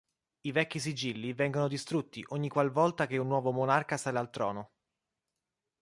I vecchi sigilli vengono distrutti ogniqualvolta che un nuovo monarca sale al trono.